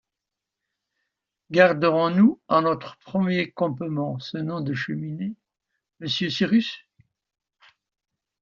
Garderons-nous à notre premier campement ce nom de Cheminées, monsieur Cyrus?